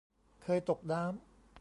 เคยตกน้ำ